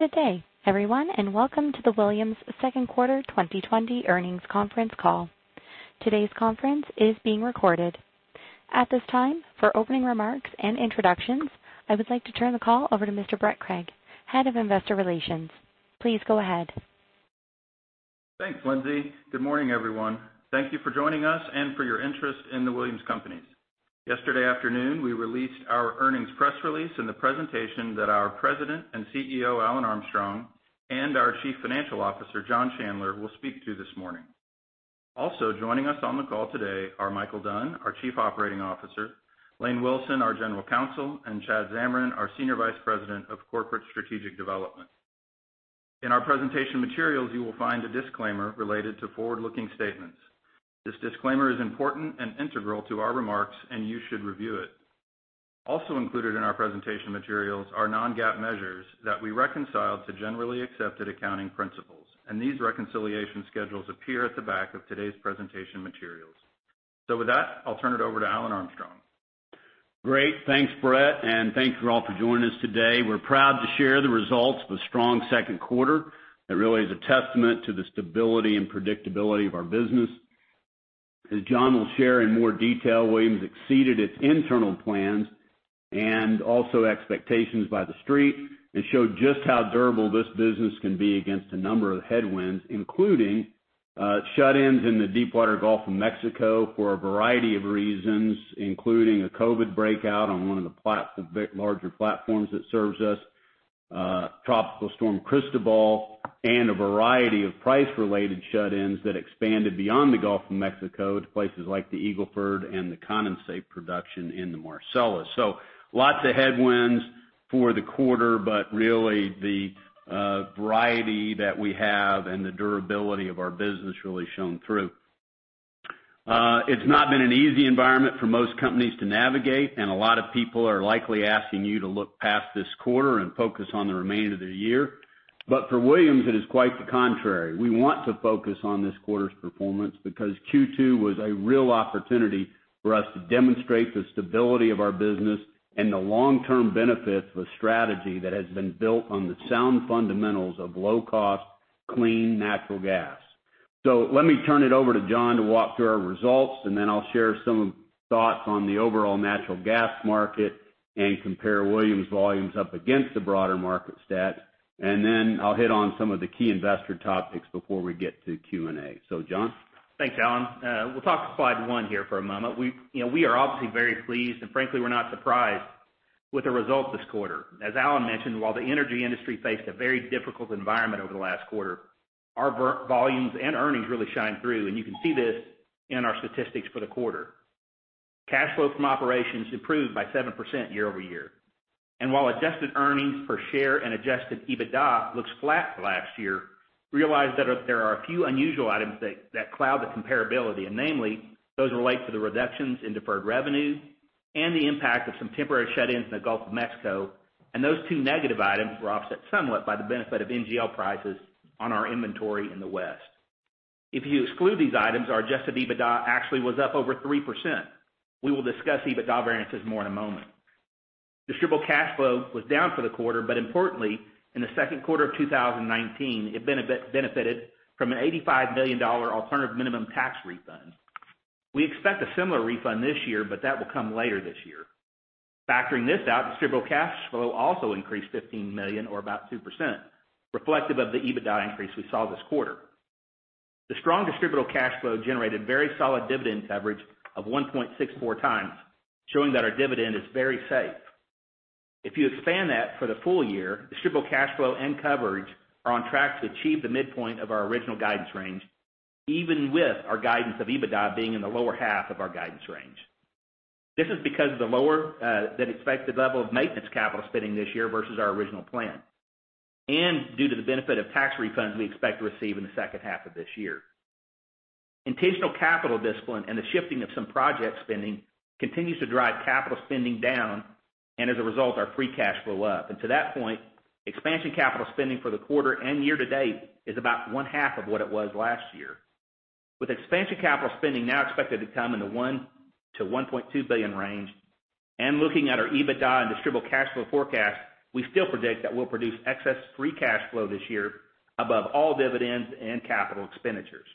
Good day, everyone, and welcome to the Williams Second Quarter 2020 Earnings Conference Call. Today's conference is being recorded. At this time, for opening remarks and introductions, I would like to turn the call over to Mr. Brett Krieg, Head of Investor Relations. Please go ahead. Thanks, Lindsay. Good morning, everyone. Thank you for joining us and for your interest in The Williams Companies. Yesterday afternoon, we released our earnings press release and the presentation that our President and CEO, Alan Armstrong, and our Chief Financial Officer, John Chandler, will speak to this morning. Also joining us on the call today are Micheal Dunn, our Chief Operating Officer, Lane Wilson, our General Counsel, and Chad Zamarin, our Senior Vice President of Corporate Strategic Development. In our presentation materials, you will find a disclaimer related to forward-looking statements. This disclaimer is important and integral to our remarks, and you should review it. Also included in our presentation materials are non-GAAP measures that we reconciled to generally accepted accounting principles, and these reconciliation schedules appear at the back of today's presentation materials. With that, I'll turn it over to Alan Armstrong. Great. Thanks, Brett. Thank you all for joining us today. We're proud to share the results of a strong second quarter that really is a testament to the stability and predictability of our business. As John will share in more detail, Williams exceeded its internal plans and also expectations by The Street, and showed just how durable this business can be against a number of headwinds, including shut-ins in the deepwater Gulf of Mexico for a variety of reasons, including a COVID breakout on one of the larger platforms that serves us, Tropical Storm Cristobal, and a variety of price-related shut-ins that expanded beyond the Gulf of Mexico to places like the Eagle Ford and the condensate production in the Marcellus. Lots of headwinds for the quarter, but really the variety that we have, and the durability of our business really shown through. It's not been an easy environment for most companies to navigate. A lot of people are likely asking you to look past this quarter and focus on the remainder of the year. For Williams, it is quite the contrary. We want to focus on this quarter's performance because Q2 was a real opportunity for us to demonstrate the stability of our business and the long-term benefits of a strategy that has been built on the sound fundamentals of low-cost, clean natural gas. Let me turn it over to John to walk through our results. Then I'll share some thoughts on the overall natural gas market and compare Williams' volumes up against the broader market stats. Then I'll hit on some of the key investor topics before we get to Q&A. John? Thanks, Alan. We'll talk to slide one here for a moment. We are obviously very pleased, and frankly, we're not surprised with the results this quarter. As Alan mentioned, while the energy industry faced a very difficult environment over the last quarter, our volumes and earnings really shine through, and you can see this in our statistics for the quarter. Cash flow from operations improved by 7% year-over-year. While adjusted earnings per share and adjusted EBITDA looks flat for last year, realize that there are a few unusual items that cloud the comparability, and namely, those relate to the reductions in deferred revenue and the impact of some temporary shut-ins in the Gulf of Mexico. Those two negative items were offset somewhat by the benefit of NGL prices on our inventory in the West. If you exclude these items, our adjusted EBITDA actually was up over 3%. We will discuss EBITDA variances more in a moment. Distributable cash flow was down for the quarter, but importantly, in the second quarter of 2019, it benefited from an $85 million alternative minimum tax refund. We expect a similar refund this year, but that will come later this year. Factoring this out, distributable cash flow also increased $15 million or about 2%, reflective of the EBITDA increase we saw this quarter. The strong distributable cash flow generated very solid dividend coverage of 1.64x, showing that our dividend is very safe. If you expand that for the full year, distributable cash flow and coverage are on track to achieve the midpoint of our original guidance range, even with our guidance of EBITDA being in the lower half of our guidance range. This is because of the lower than expected level of maintenance capital spending this year versus our original plan and due to the benefit of tax refunds we expect to receive in the second half of this year. Intentional capital discipline and the shifting of some project spending continues to drive capital spending down, and as a result, our free cash flow up. To that point, expansion capital spending for the quarter and year-to-date is about 1/2 of what it was last year. With expansion capital spending now expected to come in the $1 billion-$1.2 billion range, and looking at our EBITDA and distributable cash flow forecast, we still predict that we'll produce excess free cash flow this year above all dividends and capital expenditures.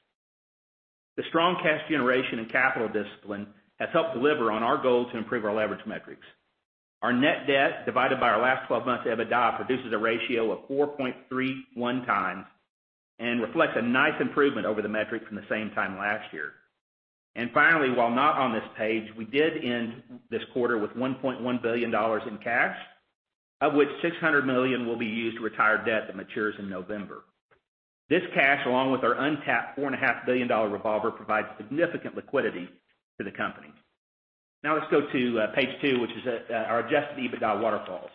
The strong cash generation and capital discipline has helped deliver on our goal to improve our leverage metrics. Our net debt divided by our last 12 months EBITDA produces a ratio of 4.31x and reflects a nice improvement over the metric from the same time last year. Finally, while not on this page, we did end this quarter with $1.1 billion in cash, of which $600 million will be used to retire debt that matures in November. This cash, along with our untapped $4.5 billion revolver, provides significant liquidity to the company. Now let's go to page two, which is our adjusted EBITDA waterfalls.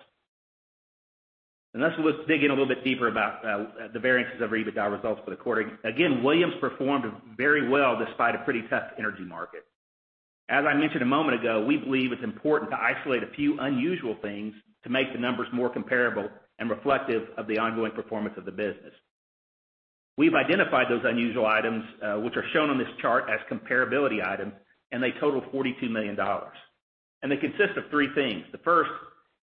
Let's dig in a little bit deeper about the variances of our EBITDA results for the quarter. Again, Williams performed very well despite a pretty tough energy market. As I mentioned a moment ago, we believe it's important to isolate a few unusual things to make the numbers more comparable and reflective of the ongoing performance of the business. We've identified those unusual items, which are shown on this chart as comparability items, and they total $42 million. They consist of three things. The first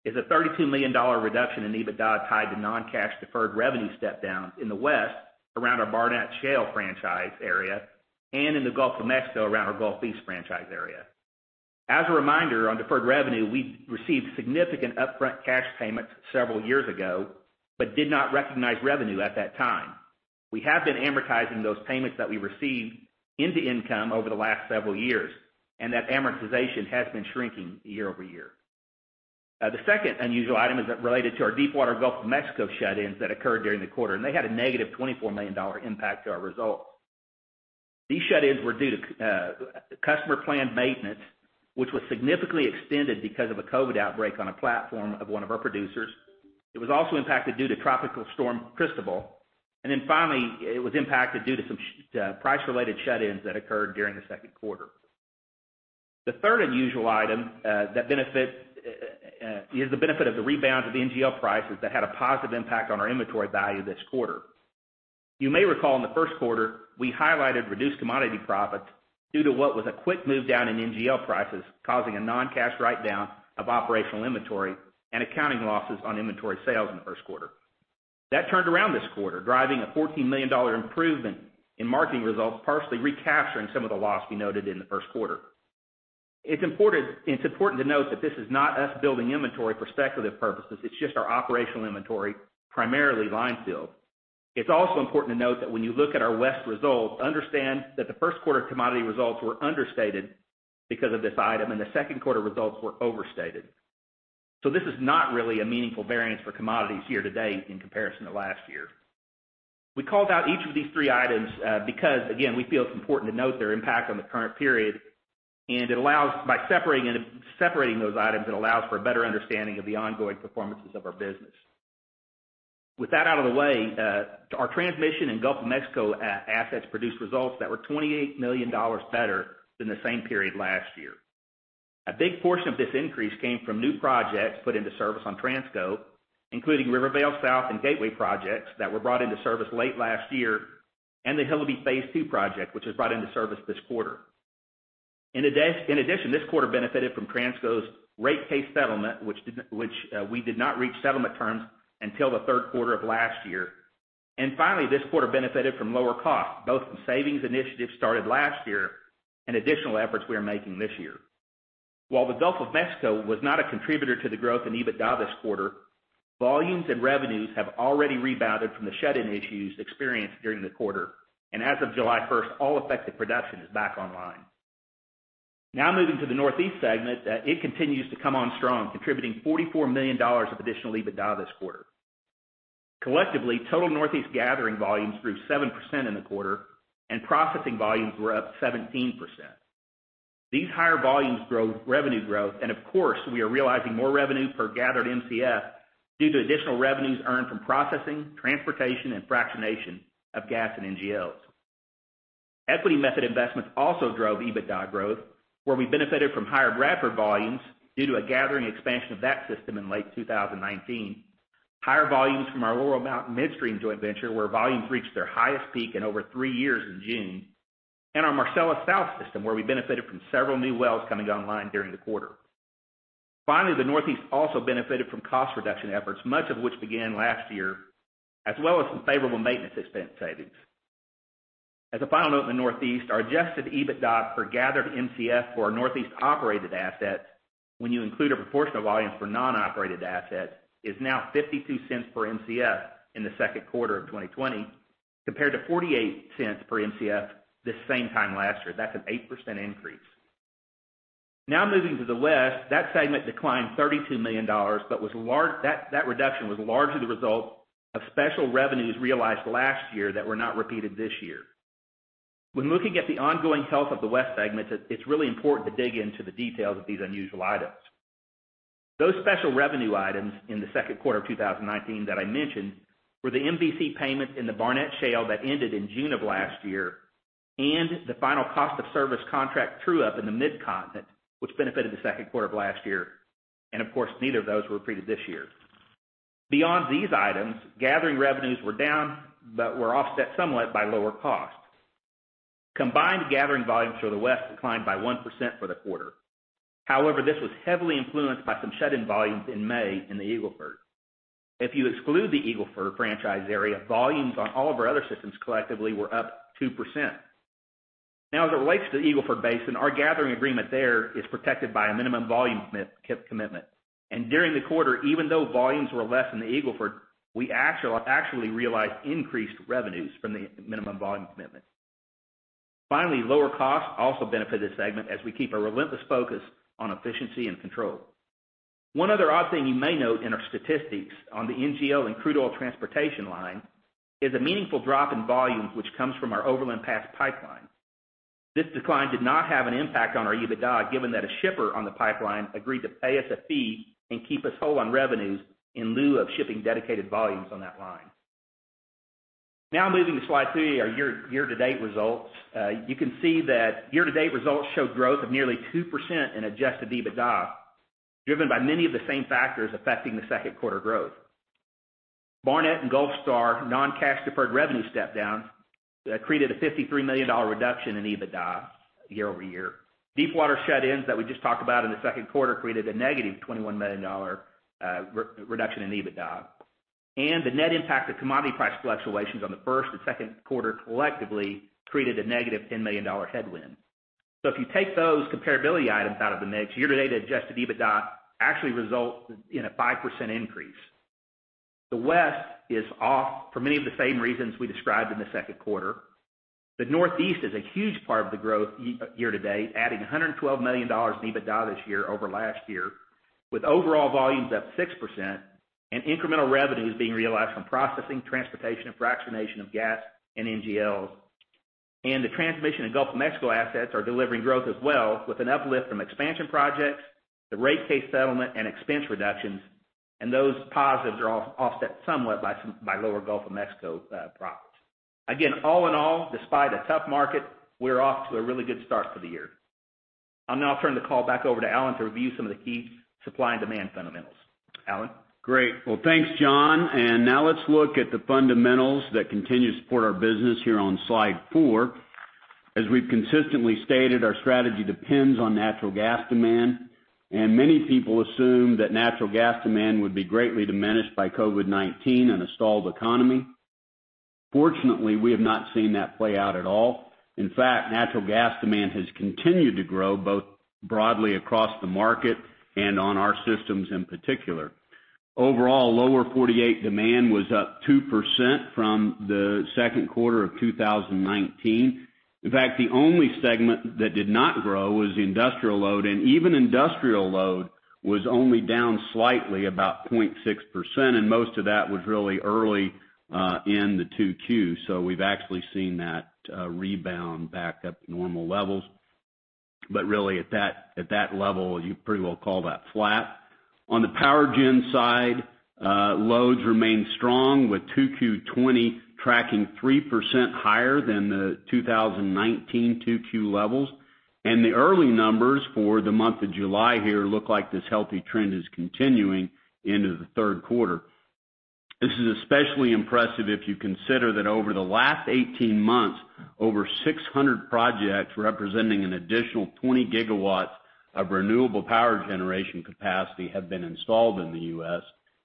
is a $32 million reduction in EBITDA tied to non-cash deferred revenue step down in the West around our Barnett Shale franchise area and in the Gulf of Mexico around our Gulf East franchise area. As a reminder, on deferred revenue, we received significant upfront cash payments several years ago, but did not recognize revenue at that time. We have been amortizing those payments that we received into income over the last several years, and that amortization has been shrinking year-over-year. The second unusual item is related to our deepwater Gulf of Mexico shut-ins that occurred during the quarter, and they had a -$24 million impact to our results. These shut-ins were due to customer planned maintenance, which was significantly extended because of a COVID-19 outbreak on a platform of one of our producers. It was also impacted due to Tropical Storm Cristobal. Finally, it was impacted due to some price-related shut-ins that occurred during the second quarter. The third unusual item is the benefit of the rebound of the NGL prices that had a positive impact on our inventory value this quarter. You may recall in the first quarter, we highlighted reduced commodity profits due to what was a quick move down in NGL prices, causing a non-cash write-down of operational inventory and accounting losses on inventory sales in the first quarter. That turned around this quarter, driving a $14 million improvement in marketing results, partially recapturing some of the loss we noted in the first quarter. It's important to note that this is not us building inventory for speculative purposes. It's just our operational inventory, primarily line fill. It's also important to note that when you look at our West results, understand that the first quarter commodity results were understated because of this item, and the second quarter results were overstated. This is not really a meaningful variance for commodities year to date in comparison to last year. We called out each of these three items because, again, we feel it's important to note their impact on the current period. By separating those items, it allows for a better understanding of the ongoing performances of our business. With that out of the way, our transmission in Gulf of Mexico assets produced results that were $28 million better than the same period last year. A big portion of this increase came from new projects put into service on Transco, including Rivervale South and Gateway projects that were brought into service late last year, and the Hillabee phase II project, which was brought into service this quarter. In addition, this quarter benefited from Transco's rate case settlement, which we did not reach settlement terms until the third quarter of last year. Finally, this quarter benefited from lower costs, both from savings initiatives started last year and additional efforts we are making this year. While the Gulf of Mexico was not a contributor to the growth in EBITDA this quarter, volumes and revenues have already rebounded from the shut-in issues experienced during the quarter. As of July 1st, all affected production is back online. Moving to the Northeast segment, it continues to come on strong, contributing $44 million of additional EBITDA this quarter. Collectively, total Northeast gathering volumes grew 7% in the quarter and processing volumes were up 17%. These higher volumes drove revenue growth, and of course, we are realizing more revenue per gathered Mcf due to additional revenues earned from processing, transportation, and fractionation of gas and NGLs. Equity method investments also drove EBITDA growth, where we benefited from higher Bradford volumes due to a gathering expansion of that system in late 2019. Higher volumes from our Laurel Mountain Midstream joint venture, where volumes reached their highest peak in over three years in June, and our Marcellus South system, where we benefited from several new wells coming online during the quarter. Finally, the Northeast also benefited from cost reduction efforts, much of which began last year, as well as some favorable maintenance expense savings. As a final note in the Northeast, our adjusted EBITDA per gathered Mcf for our Northeast operated assets, when you include a proportion of volumes for non-operated assets, is now $0.52 per Mcf in the second quarter of 2020, compared to $0.48 per Mcf this same time last year. That's an 8% increase. Now moving to the West, that segment declined $32 million. That reduction was largely the result of special revenues realized last year that were not repeated this year. When looking at the ongoing health of the West segment, it's really important to dig into the details of these unusual items. Those special revenue items in the second quarter of 2019 that I mentioned were the MVC payment in the Barnett Shale that ended in June of last year, and the final cost of service contract true-up in the Mid-Continent, which benefited the second quarter of last year. Of course, neither of those were repeated this year. Beyond these items, gathering revenues were down, but were offset somewhat by lower costs. Combined gathering volumes for the West declined by 1% for the quarter. However, this was heavily influenced by some shut-in volumes in May in the Eagle Ford. If you exclude the Eagle Ford franchise area, volumes on all of our other systems collectively were up 2%. As it relates to the Eagle Ford Basin, our gathering agreement there is protected by a minimum volume commitment. During the quarter, even though volumes were less in the Eagle Ford, we actually realized increased revenues from the minimum volume commitment. Finally, lower costs also benefit this segment as we keep a relentless focus on efficiency and control. One other odd thing you may note in our statistics on the NGL and crude oil transportation line is a meaningful drop in volumes, which comes from our Overland Pass Pipeline. This decline did not have an impact on our EBITDA, given that a shipper on the pipeline agreed to pay us a fee and keep us whole on revenues in lieu of shipping dedicated volumes on that line. Moving to slide three, our year-to-date results. You can see that year-to-date results show growth of nearly 2% in adjusted EBITDA, driven by many of the same factors affecting the second quarter growth. Barnett and Gulfstar non-cash deferred revenue step-down created a $53 million reduction in EBITDA year-over-year. Deepwater shut-ins that we just talked about in the second quarter created a -$24 million reduction in EBITDA. The net impact of commodity price fluctuations on the first and second quarter collectively created a -$10 million headwind. If you take those comparability items out of the mix, year-to-date adjusted EBITDA actually results in a 5% increase. The West is off for many of the same reasons we described in the second quarter. The Northeast is a huge part of the growth year-to-date, adding $112 million in EBITDA this year over last year, with overall volumes up 6%, and incremental revenues being realized from processing, transportation, and fractionation of gas and NGLs. The transmission and Gulf of Mexico assets are delivering growth as well, with an uplift from expansion projects, the rate case settlement, and expense reductions, and those positives are offset somewhat by lower Gulf of Mexico profits. All in all, despite a tough market, we're off to a really good start for the year. I'll now turn the call back over to Alan to review some of the key supply and demand fundamentals. Alan? Great. Well, thanks, John. Now let's look at the fundamentals that continue to support our business here on slide four. As we've consistently stated, our strategy depends on natural gas demand, and many people assume that natural gas demand would be greatly diminished by COVID-19 and a stalled economy. Fortunately, we have not seen that play out at all. In fact, natural gas demand has continued to grow both broadly across the market and on our systems in particular. Overall, Lower 48 demand was up 2% from the second quarter of 2019. In fact, the only segment that did not grow was industrial load, and even industrial load was only down slightly, about 0.6%, and most of that was really early in the 2Q. We've actually seen that rebound back up to normal levels. Really at that level, you pretty well call that flat. On the power gen side, loads remain strong with 2Q 2020 tracking 3% higher than the 2019 2Q levels. The early numbers for the month of July here look like this healthy trend is continuing into the third quarter. This is especially impressive if you consider that over the last 18 months, over 600 projects representing an additional 20 GW of renewable power generation capacity have been installed in the U.S.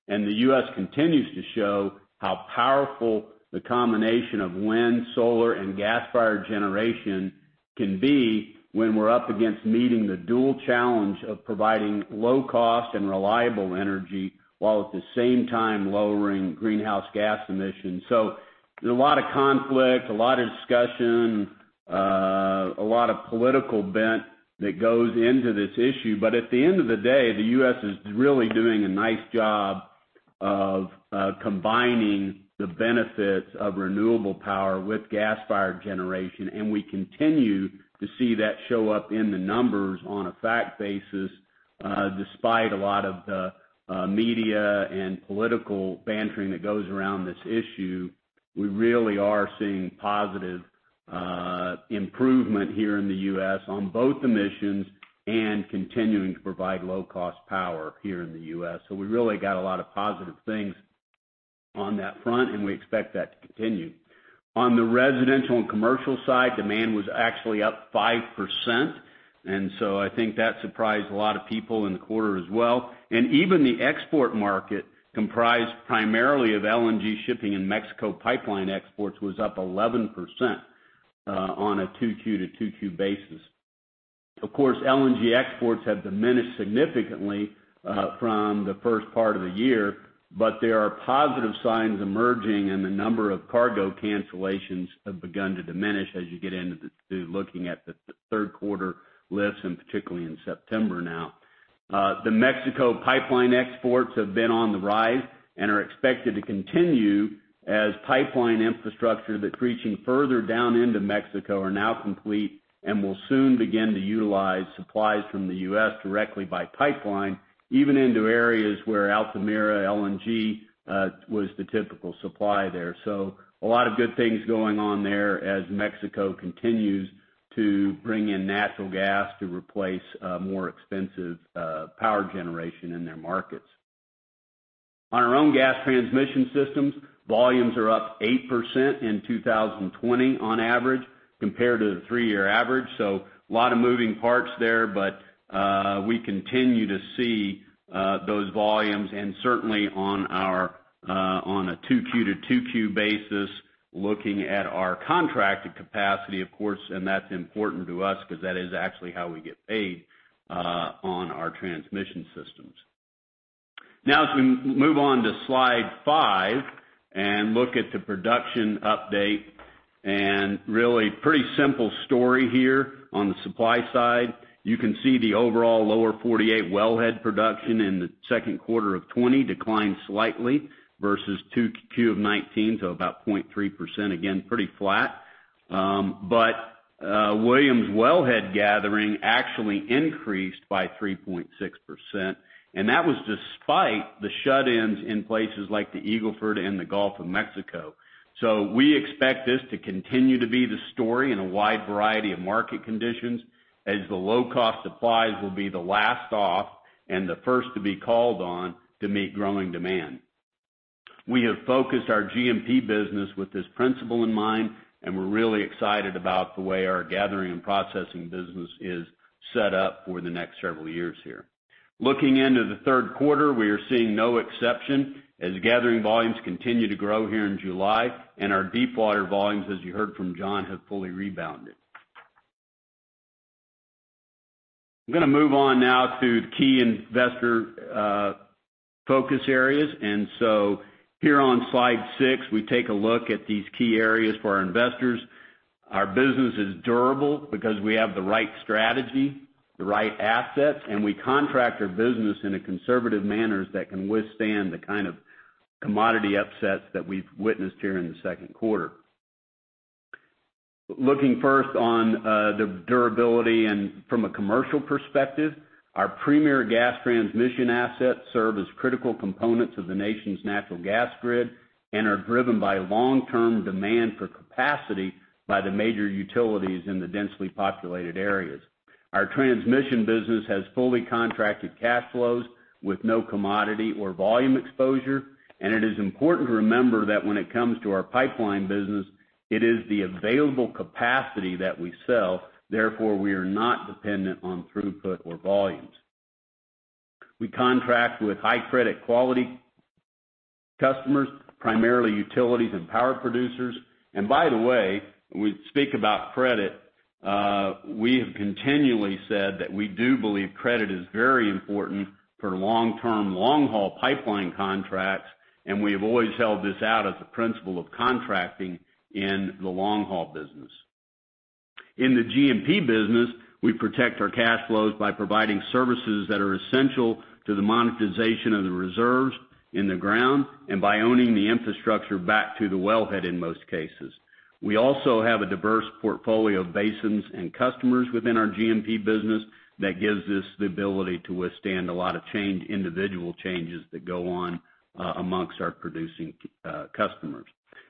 The U.S. continues to show how powerful the combination of wind, solar, and gas-fired generation can be when we're up against meeting the dual challenge of providing low-cost and reliable energy while at the same time lowering greenhouse gas emissions. There's a lot of conflict, a lot of discussion, a lot of political bents that goes into this issue. At the end of the day, the U.S. is really doing a nice job of combining the benefits of renewable power with gas-fired generation, and we continue to see that show up in the numbers on a fact basis. Despite a lot of the media and political bantering that goes around this issue, we really are seeing positive improvement here in the U.S. on both emissions and continuing to provide low-cost power here in the U.S. We really got a lot of positive things on that front, and we expect that to continue. On the residential and commercial side, demand was actually up 5%, and so I think that surprised a lot of people in the quarter as well. Even the export market, comprised primarily of LNG shipping and Mexico pipeline exports, was up 11% on a 2Q-2Q basis. Of course, LNG exports have diminished significantly from the first part of the year, but there are positive signs emerging, and the number of cargo cancellations have begun to diminish as you get into looking at the third quarter lifts, and particularly in September now. The Mexico pipeline exports have been on the rise and are expected to continue as pipeline infrastructure that's reaching further down into Mexico are now complete and will soon begin to utilize supplies from the U.S. directly by pipeline, even into areas where Altamira LNG was the typical supply there. A lot of good things going on there as Mexico continues to bring in natural gas to replace more expensive power generation in their markets. On our own gas transmission systems, volumes are up 8% in 2020 on average, compared to the three-year average. A lot of moving parts there, but we continue to see those volumes and certainly on a 2Q-to-2Q basis, looking at our contracted capacity, of course, and that's important to us because that is actually how we get paid on our transmission systems. As we move on to slide five and look at the production update, and really pretty simple story here on the supply side. You can see the overall Lower 48 wellhead production in the second quarter of 2020 declined slightly versus 2Q of 2019, about 0.3%. Again, pretty flat. Williams wellhead gathering actually increased by 3.6%, and that was despite the shut-ins in places like the Eagle Ford and the Gulf of Mexico. We expect this to continue to be the story in a wide variety of market conditions, as the low-cost supplies will be the last off and the first to be called on to meet growing demand. We have focused our GMP business with this principle in mind, we're really excited about the way our gathering and processing business is set up for the next several years here. Looking into the third quarter, we are seeing no exception as gathering volumes continue to grow here in July, and our deepwater volumes, as you heard from John, have fully rebounded. I'm going to move on now to key investor focus areas. Here on slide six, we take a look at these key areas for our investors. Our business is durable because we have the right strategy, the right assets, and we contract our business in a conservative manner that can withstand the kind of commodity upsets that we've witnessed here in the second quarter. Looking first on the durability and from a commercial perspective, our premier gas transmission assets serve as critical components of the nation's natural gas grid and are driven by long-term demand for capacity by the major utilities in the densely populated areas. Our transmission business has fully contracted cash flows with no commodity or volume exposure, it is important to remember that when it comes to our pipeline business, it is the available capacity that we sell, therefore, we are not dependent on throughput or volumes. We contract with high credit quality customers, primarily utilities and power producers. By the way, we speak about credit. We have continually said that we do believe credit is very important for long-term, long-haul pipeline contracts, and we have always held this out as a principle of contracting in the long-haul business. In the GMP business, we protect our cash flows by providing services that are essential to the monetization of the reserves in the ground and by owning the infrastructure back to the wellhead in most cases. We also have a diverse portfolio of basins and customers within our GMP business that gives us the ability to withstand a lot of individual changes that go on amongst our producing customers.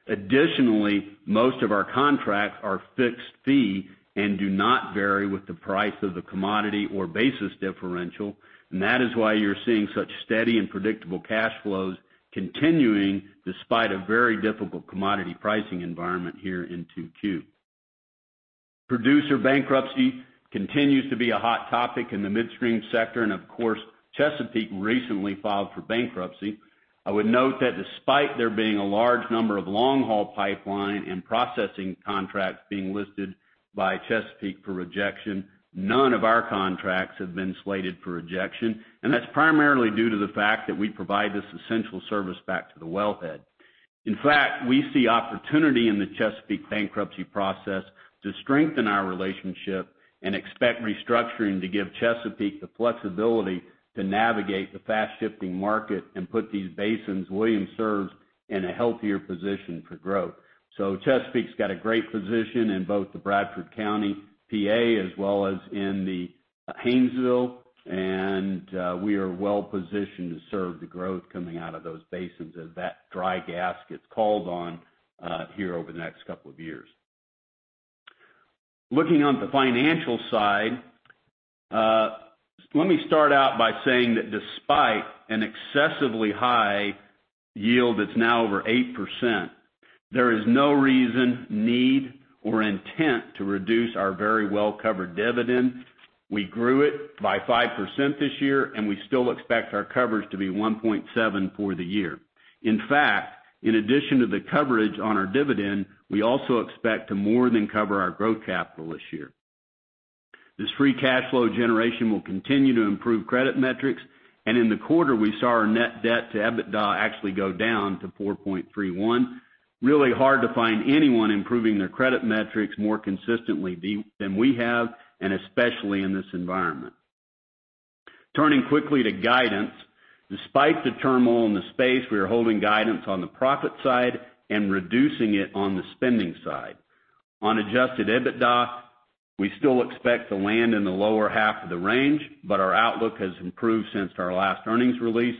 Additionally, most of our contracts are fixed fee and do not vary with the price of the commodity or basis differential, and that is why you're seeing such steady and predictable cash flows continuing despite a very difficult commodity pricing environment here in 2Q. Producer bankruptcy continues to be a hot topic in the midstream sector. Of course, Chesapeake recently filed for bankruptcy. I would note that despite there being a large number of long-haul pipeline and processing contracts being listed by Chesapeake for rejection, none of our contracts have been slated for rejection, and that's primarily due to the fact that we provide this essential service back to the wellhead. In fact, we see opportunity in the Chesapeake bankruptcy process to strengthen our relationship and expect restructuring to give Chesapeake the flexibility to navigate the fast-shifting market and put these basins Williams serves in a healthier position for growth. Chesapeake's got a great position in both the Bradford County, P.A. as well as in the Haynesville, and we are well-positioned to serve the growth coming out of those basins as that dry gas gets called on here over the next couple of years. Looking on the financial side, let me start out by saying that despite an excessively high yield that's now over 8%, there is no reason, need, or intent to reduce our very well-covered dividend. We grew it by 5% this year, and we still expect our coverage to be 1.7 for the year. In fact, in addition to the coverage on our dividend, we also expect to more than cover our growth capital this year. This free cash flow generation will continue to improve credit metrics, and in the quarter, we saw our net debt to EBITDA actually go down to 4.31. Really hard to find anyone improving their credit metrics more consistently than we have, and especially in this environment. Turning quickly to guidance. Despite the turmoil in the space, we are holding guidance on the profit side and reducing it on the spending side. On adjusted EBITDA, we still expect to land in the lower half of the range, but our outlook has improved since our last earnings release.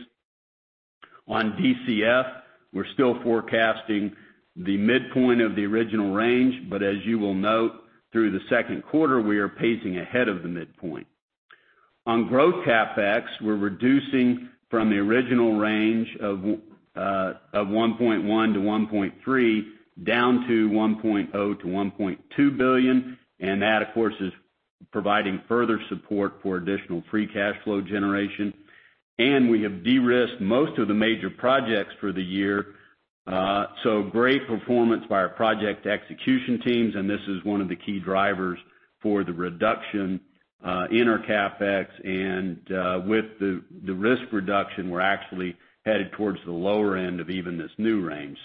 On DCF, we're still forecasting the midpoint of the original range, but as you will note, through the second quarter, we are pacing ahead of the midpoint. On growth CapEx, we're reducing from the original range of $1.1 billion-$1.3 billion, down to $1 billion-$1.2 billion, that, of course, is providing further support for additional free cash flow generation. We have de-risked most of the major projects for the year. Great performance by our project execution teams. This is one of the key drivers for the reduction in our CapEx. With the risk reduction, we're actually headed towards the lower end of even this new range.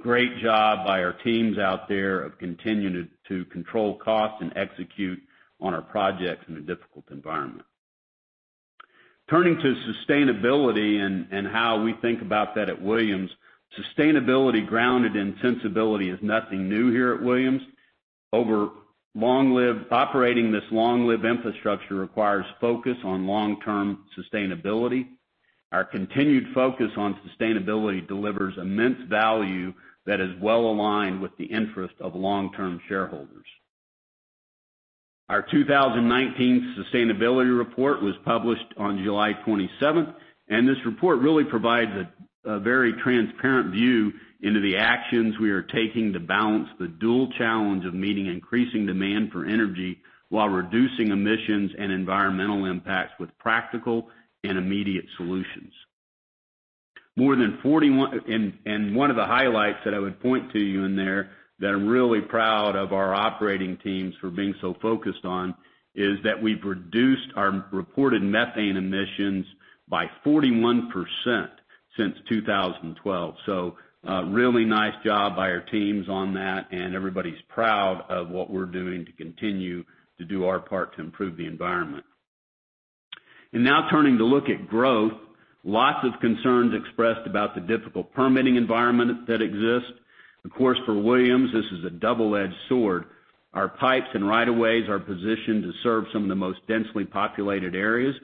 Great job by our teams out there of continuing to control costs and execute on our projects in a difficult environment. Turning to sustainability and how we think about that at Williams. Sustainability grounded in sensibility is nothing new here at Williams. Operating this long-lived infrastructure requires focus on long-term sustainability. Our continued focus on sustainability delivers immense value that is well-aligned with the interest of long-term shareholders. Our 2019 sustainability report was published on July 27th. This report really provides a very transparent view into the actions we are taking to balance the dual challenge of meeting increasing demand for energy while reducing emissions and environmental impacts with practical and immediate solutions. One of the highlights that I would point to you in there, that I'm really proud of our operating teams for being so focused on, is that we've reduced our reported methane emissions by 41% since 2012. A really nice job by our teams on that. Everybody's proud of what we're doing to continue to do our part to improve the environment. Now turning to look at growth, lots of concerns expressed about the difficult permitting environment that exists. Of course, for Williams, this is a double-edged sword. Our pipes and rights-of-way are positioned to serve some of the most densely populated areas.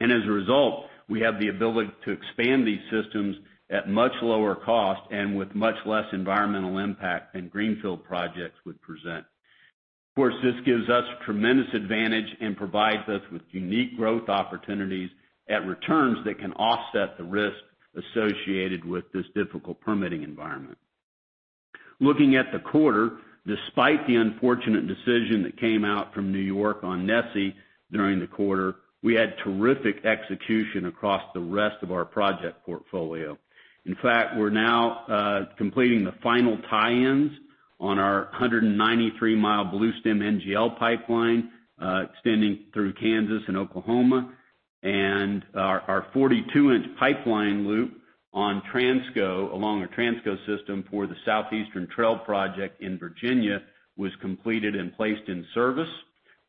As a result, we have the ability to expand these systems at much lower cost and with much less environmental impact than greenfield projects would present. Of course, this gives us tremendous advantage and provides us with unique growth opportunities at returns that can offset the risk associated with this difficult permitting environment. Looking at the quarter, despite the unfortunate decision that came out from New York on NESE during the quarter, we had terrific execution across the rest of our project portfolio. In fact, we're now completing the final tie-ins on our 193-mi Bluestem NGL pipeline, extending through Kansas and Oklahoma. Our 42-in pipeline loop on Transco, along our Transco system for the Southeastern Trail Project in Virginia, was completed and placed in service,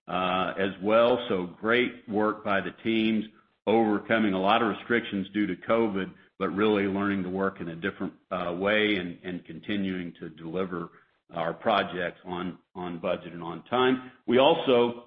as well. Great work by the teams overcoming a lot of restrictions due to COVID, but really learning to work in a different way and continuing to deliver our projects on budget and on time. We also,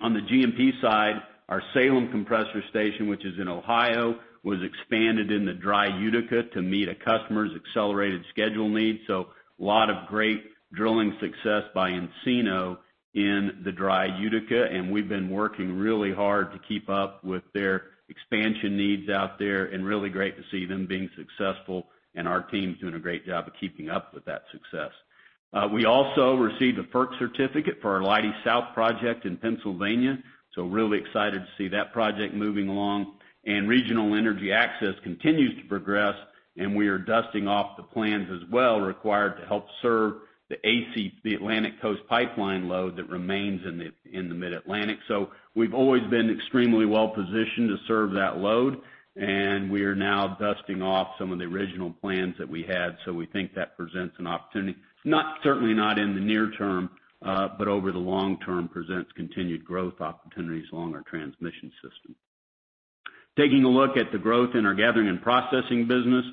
on the GMP side, our Salem Compressor Station, which is in Ohio, was expanded in the Dry Utica to meet a customer's accelerated schedule needs. A lot of great drilling success by Encino in the Dry Utica, and we've been working really hard to keep up with their expansion needs out there, and really great to see them being successful and our teams doing a great job of keeping up with that success. We also received a FERC certificate for our Leidy South Project in Pennsylvania, really excited to see that project moving along. Regional Energy Access continues to progress, and we are dusting off the plans as well required to help serve the Atlantic Coast Pipeline load that remains in the Mid-Atlantic. We've always been extremely well-positioned to serve that load, and we are now dusting off some of the original plans that we had. We think that presents an opportunity, certainly not in the near term, but over the long term presents continued growth opportunities along our transmission system. Taking a look at the growth in our gathering and processing business.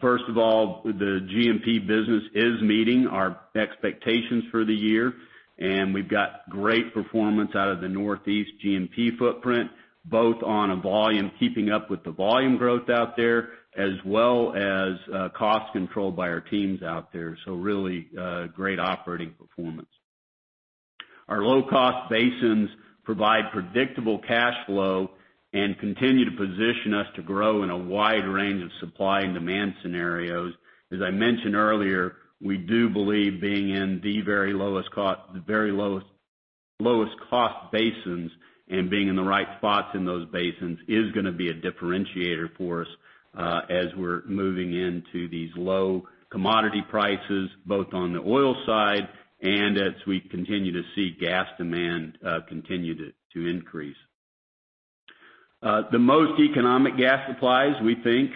First of all, the GMP business is meeting our expectations for the year, and we've got great performance out of the Northeast GMP footprint, both on a volume, keeping up with the volume growth out there as well as cost control by our teams out there. Really great operating performance. Our low-cost basins provide predictable cash flow and continue to position us to grow in a wide range of supply and demand scenarios. As I mentioned earlier, we do believe being in the very lowest cost basins and being in the right spots in those basins is going to be a differentiator for us as we're moving into these low commodity prices, both on the oil side and as we continue to see gas demand continue to increase. The most economic gas supplies, we think,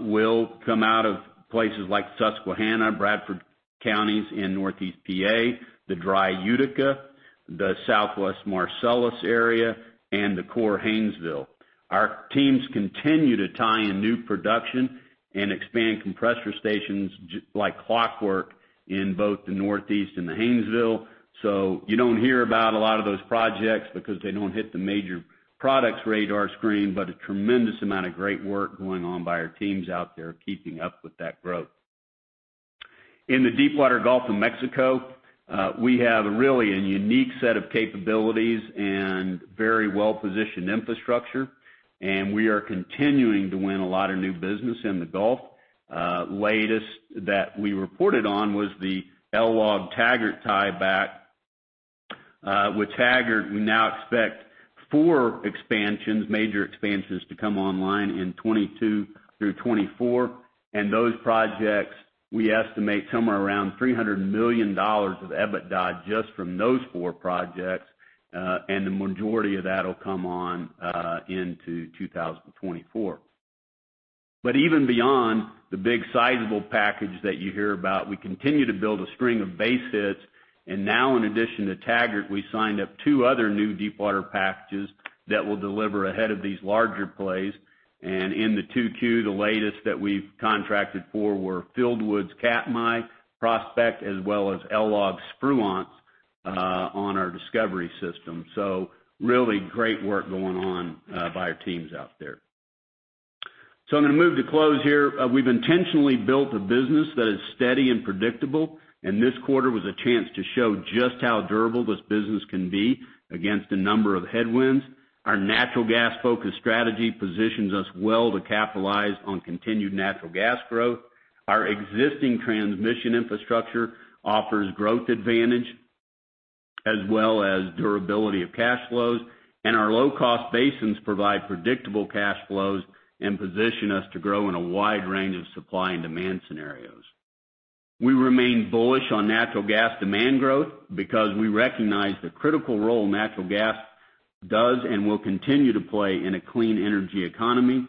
will come out of places like Susquehanna, Bradford counties in Northeast PA, the Dry Utica, the Southwest Marcellus area, and the Core Haynesville. Our teams continue to tie in new production and expand compressor stations like clockwork in both the Northeast and the Haynesville. You don't hear about a lot of those projects because they don't hit the major products radar screen, but a tremendous amount of great work going on by our teams out there, keeping up with that growth. In the Deepwater Gulf of Mexico, we have really a unique set of capabilities and very well-positioned infrastructure, and we are continuing to win a lot of new business in the Gulf. Latest that we reported on was the LLOG Taggart tieback. With Taggart, we now expect four expansions, major expansions to come online in 2022 through 2024. Those projects, we estimate somewhere around $300 million of EBITDA just from those four projects, and the majority of that'll come on into 2024. Even beyond the big sizable package that you hear about, we continue to build a string of base hits. Now in addition to Taggart, we signed up two other new deepwater packages that will deliver ahead of these larger plays. In the 2Q, the latest that we've contracted for were Fieldwood's Katmai prospect as well as LLOG's Spruance on our Discovery system. Really great work going on by our teams out there. I'm going to move to close here. We've intentionally built a business that is steady and predictable, and this quarter was a chance to show just how durable this business can be against a number of headwinds. Our natural gas-focused strategy positions us well to capitalize on continued natural gas growth. Our existing transmission infrastructure offers growth advantage as well as durability of cash flows, and our low-cost basins provide predictable cash flows and position us to grow in a wide range of supply and demand scenarios. We remain bullish on natural gas demand growth because we recognize the critical role natural gas does and will continue to play in a clean energy economy.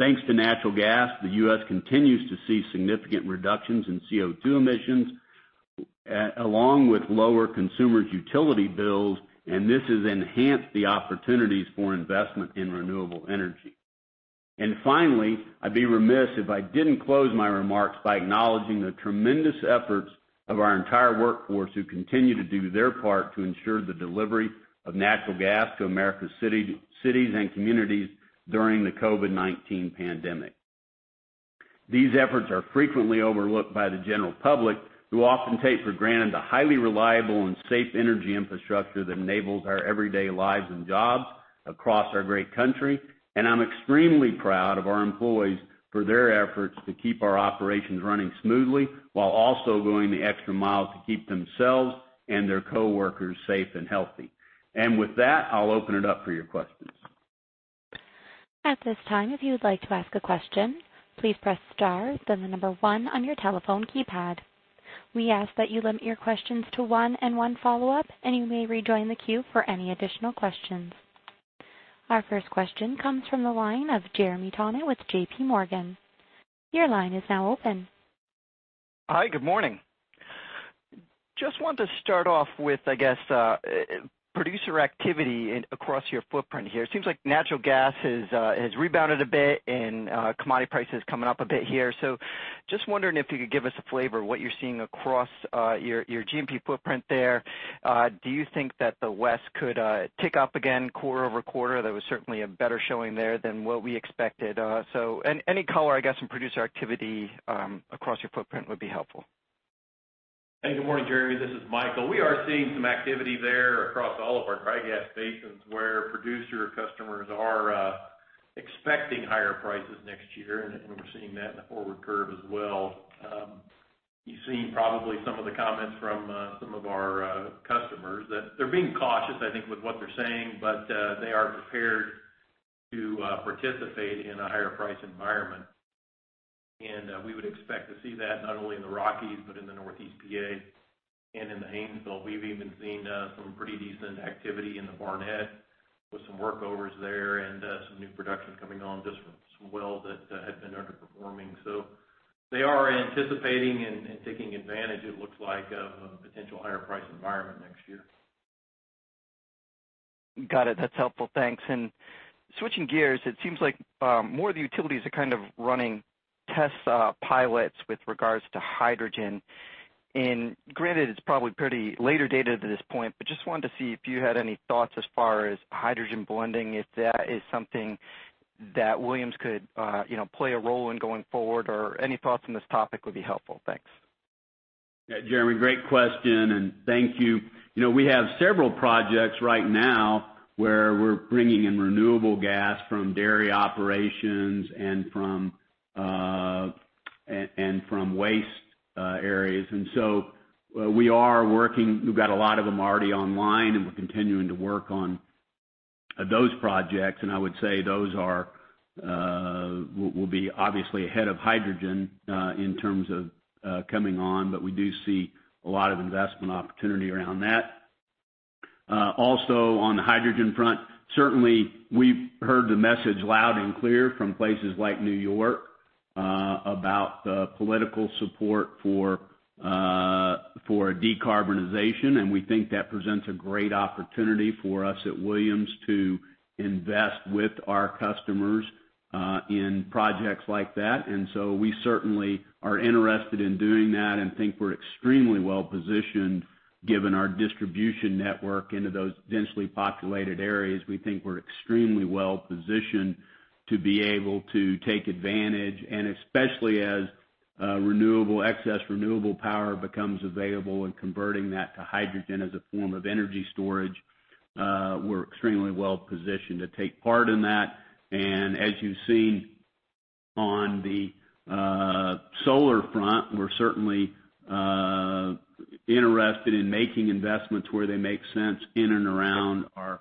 Thanks to natural gas, the U.S. continues to see significant reductions in CO2 emissions, along with lower consumers' utility bills, and this has enhanced the opportunities for investment in renewable energy. Finally, I'd be remiss if I didn't close my remarks by acknowledging the tremendous efforts of our entire workforce, who continue to do their part to ensure the delivery of natural gas to America's cities and communities during the COVID-19 pandemic. These efforts are frequently overlooked by the general public, who often take for granted the highly reliable and safe energy infrastructure that enables our everyday lives and jobs across our great country. I'm extremely proud of our employees for their efforts to keep our operations running smoothly while also going the extra mile to keep themselves and their coworkers safe and healthy. With that, I'll open it up for your questions. At this time, if you would like to ask a question, please press star, then the number one on your telephone keypad. We ask that you limit your questions to one and one follow-up. You may rejoin the queue for any additional questions. Our first question comes from the line of Jeremy Tonet with JPMorgan. Your line is now open. Hi, good morning. Just wanted to start off with, I guess, producer activity across your footprint here. It seems like natural gas has rebounded a bit and commodity prices coming up a bit here. Just wondering if you could give us a flavor of what you're seeing across your GMP footprint there. Do you think that the West could tick up again quarter-over-quarter? There was certainly a better showing there than what we expected. Any color, I guess, on producer activity across your footprint would be helpful. Hey, good morning, Jeremy. This is Michael. We are seeing some activity there across all of our dry gas basins where producer customers are expecting higher prices next year, and we're seeing that in the forward curve as well. You've seen probably some of the comments from some of our customers that they're being cautious, I think, with what they're saying, but they are prepared to participate in a higher price environment. We would expect to see that not only in the Rockies, but in the Northeast PA and in the Haynesville. We've even seen some pretty decent activity in the Barnett with some workovers there and some new production coming on just from some wells that had been underperforming. They are anticipating and taking advantage, it looks like, of a potential higher price environment next year. Got it. That's helpful. Thanks. Switching gears, it seems like more of the utilities are kind of running test pilots with regards to hydrogen. Granted, it's probably pretty later dated at this point, but just wanted to see if you had any thoughts as far as hydrogen blending, if that is something that Williams could play a role in going forward, or any thoughts on this topic would be helpful. Thanks. Jeremy, great question, and thank you. We have several projects right now where we're bringing in renewable gas from dairy operations and from waste areas. We are working. We've got a lot of them already online, and we're continuing to work on those projects. I would say those will be obviously ahead of hydrogen in terms of coming on. We do see a lot of investment opportunity around that. Also on the hydrogen front, certainly, we've heard the message loud and clear from places like New York about the political support for decarbonization. We think that presents a great opportunity for us at Williams to invest with our customers in projects like that. We certainly are interested in doing that and think we're extremely well-positioned, given our distribution network into those densely populated areas. We think we're extremely well-positioned to be able to take advantage, and especially as excess renewable power becomes available and converting that to hydrogen as a form of energy storage. We're extremely well-positioned to take part in that. As you've seen on the solar front, we're certainly interested in making investments where they make sense in and around our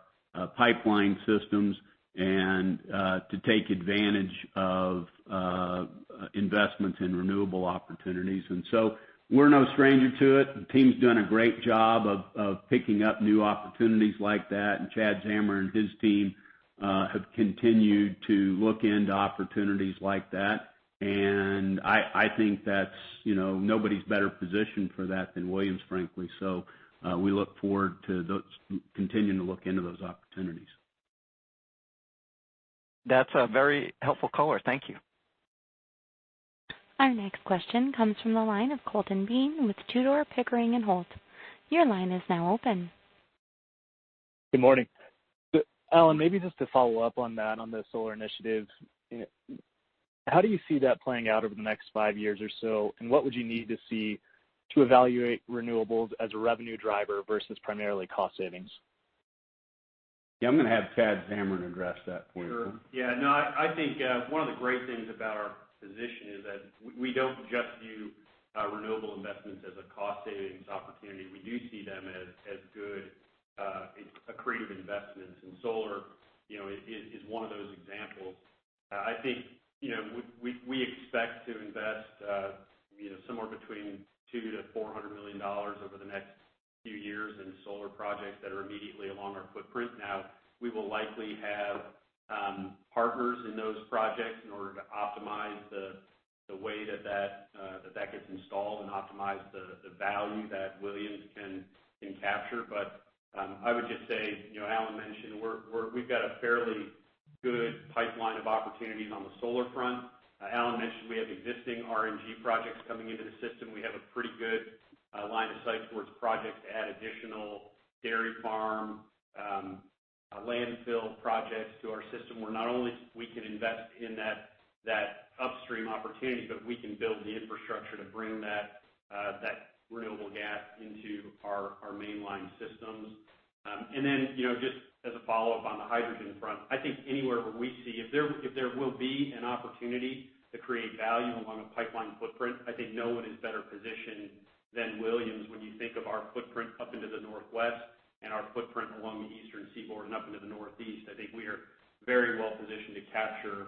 pipeline systems and to take advantage of investments in renewable opportunities. We're no stranger to it. The team's done a great job of picking up new opportunities like that, and Chad Zamarin and his team have continued to look into opportunities like that. I think that nobody's better positioned for that than Williams, frankly. We look forward to continuing to look into those opportunities. That's a very helpful color. Thank you. Our next question comes from the line of Colton Bean with Tudor, Pickering, Holt & Co. Your line is now open. Good morning. Alan, maybe just to follow up on that, on the solar initiative, how do you see that playing out over the next five years or so? What would you need to see to evaluate renewables as a revenue driver versus primarily cost savings? I'm going to have Chad Zamarin address that point. Sure. Yeah, no, I think one of the great things about our position is that we don't just view our renewable investments as a cost savings opportunity. We do see them as good accretive investments. Solar is one of those examples. I think we expect to invest somewhere between $200 million-$400 million over the next few years in solar projects that are immediately along our footprint. We will likely have partners in those projects in order to optimize the way that that gets installed and optimize the value that Williams can capture. I would just say that Alan mentioned we've got a fairly good pipeline of opportunities on the solar front. Alan mentioned we have existing RNG projects coming into the system. We have a pretty good line of sight towards projects to add additional dairy farm, landfill projects to our system where not only we can invest in that upstream opportunity, but we can build the infrastructure to bring that renewable gas into our mainline systems. Just as a follow-up on the hydrogen front, I think anywhere where we see if there will be an opportunity to create value along a pipeline footprint, I think no one is better positioned than Williams. When you think of our footprint up into the Northwest and our footprint along the eastern seaboard and up into the Northeast, I think we are very well positioned to capture